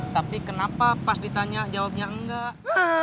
tapi kenapa pas ditanya jawabnya enggak